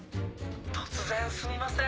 突然すみません。